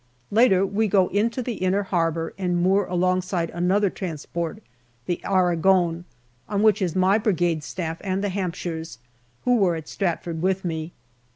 Later, we go into the inner harbour and moor alongside another transport, the Aragon, on which is my Brigade Staff and the Hampshires, who were at Stratford with me.